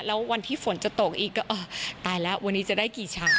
แล้ววันที่ฝนจะตกอีกก็เออตายแล้ววันนี้จะได้กี่ชาม